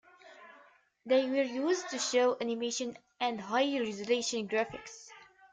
They were used to show animations and high resolution graphics.